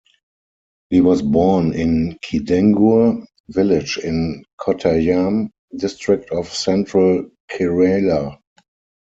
He was born in Kidangur village in Kottayam district of central Kerala.